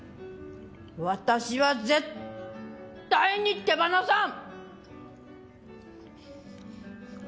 私は絶対に手放さん！